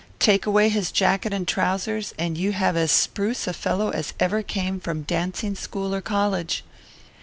Take away his jacket and trousers, and you have as spruce a fellow as ever came from dancing school or college.